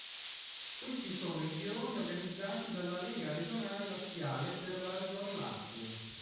Questi sono i gironi organizzati dalla Lega Regionale Laziale per la regione Lazio.